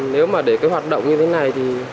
nếu mà để cái hoạt động như thế này thì